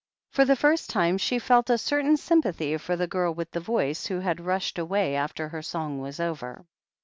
For the first time she felt a certain sjrmpathy for the girl with the voice, who had rushed away after her song was over.